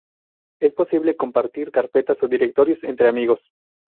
Es posible compartir carpetas o directorios entre amigos.